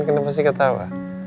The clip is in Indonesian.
kena pasti ketawa